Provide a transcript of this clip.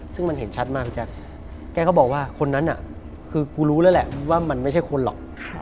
ซึ่งมันเห็นชัดมากพี่แจ๊คแกก็บอกว่าคนนั้นน่ะคือกูรู้แล้วแหละว่ามันไม่ใช่คนหรอก